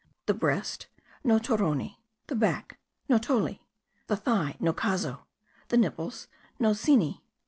The breast : Notoroni. The back : Notoli. The thigh : Nocazo. The nipples : Nocini.